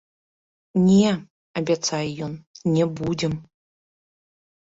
Не, абяцае ён, не будзем.